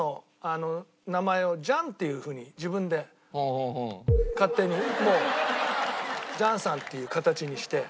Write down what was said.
っていうふうに自分で勝手にもうジャンさんっていう形にして。